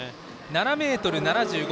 ７ｍ７５。